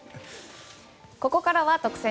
ここからは特選！